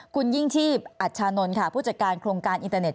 คุณยิ่งชีพอัชชานนท์ค่ะผู้จัดการโครงการอินเทอร์เน็